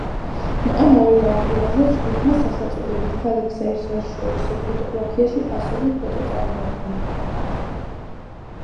ამავე გამოფენაზე ჯგუფმა სახელწოდებით „ქალები საერთაშორისო ფოტოგრაფიაში“ ასობით ფოტო წარმოადგინა.